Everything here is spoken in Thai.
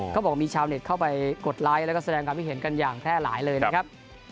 ก็บอกว่ามีชาวเน็ตเข้าไปกดไลค์แล้วก็แสดงการพิเศษกันอย่างแท่หลายเลยนะครับ